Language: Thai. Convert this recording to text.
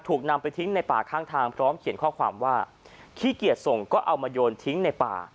ถูกนำไปทิ้งในป่าข้างทางพร้อมเขียนข้อความว่าขี้เกียจส่งก็เอามาโยนทิ้งในป่า